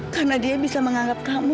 karena dia bisa menganggap kamu